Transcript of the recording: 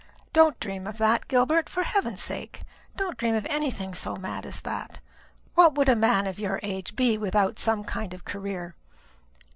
"Don't dream of that, Gilbert; for heaven's sake, don't dream of anything so mad as that. What would a man of your age be without some kind of career?